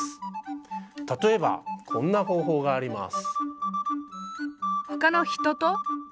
例えばこんな方法があります。